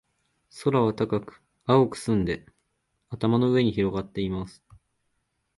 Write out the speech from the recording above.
空は高く、青く澄んで、頭の上に広がっています。